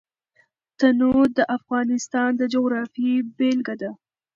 تنوع د افغانستان د جغرافیې بېلګه ده.